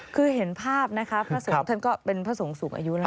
คือเห็นภาพนะครับพระสงสูงอายุนะครับ